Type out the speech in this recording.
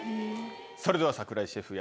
それでは櫻井シェフ